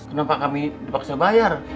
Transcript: kenapa kami dipaksa bayar